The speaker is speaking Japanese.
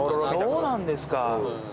そうなんですか。